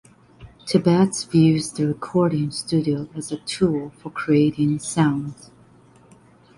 Tibbetts views the recording studio as a tool for creating sounds.